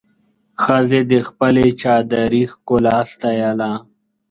ښځې د خپلې چادري ښکلا ستایله.